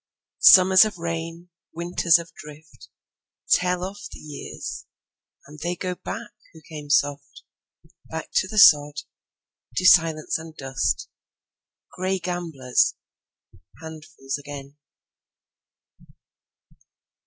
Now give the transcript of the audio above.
Summers of rain, Winters of drift, Tell off the years; And they go backWho came soft—Back to the sod, To silence and dust; Gray gamblers, Handfuls again.